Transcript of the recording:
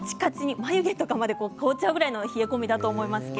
眉毛とかも凍ってしまうぐらいの冷え込みだと思います。